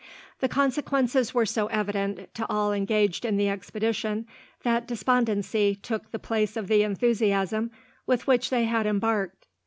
The consequences were so evident, to all engaged in the expedition, that despondency took the place of the enthusiasm with which they had embarked.